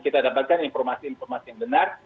kita dapatkan informasi informasi yang benar